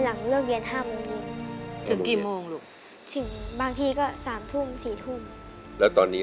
รายการต่อไปนี้เป็นรายการทั่วไปสามารถรับชมได้ทุกวัย